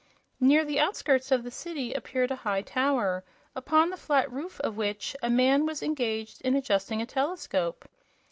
Near the outskirts of the city appeared a high tower, upon the flat roof of which a man was engaged in adjusting a telescope.